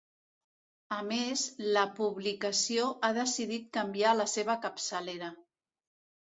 A més, la publicació ha decidit canviar la seva capçalera.